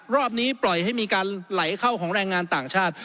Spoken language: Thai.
รอบนี้ปล่อยให้มีการไหลเข้าของแรงงานต่างชาติ